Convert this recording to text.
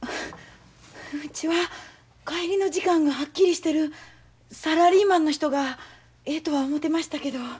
うちは帰りの時間がはっきりしてるサラリーマンの人がええとは思てましたけど。